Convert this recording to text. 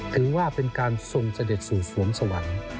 ถือว่าเป็นการทรงเสด็จสู่สวงสวรรค์